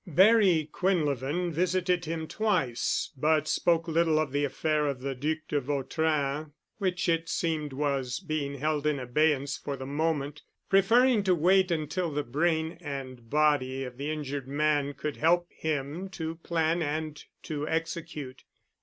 Barry Quinlevin visited him twice, but spoke little of the affair of the Duc de Vautrin which it seemed was being held in abeyance for the moment, preferring to wait until the brain and body of the injured man could help him to plan and to execute.